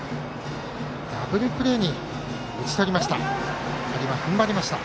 ダブルプレーに打ち取りました。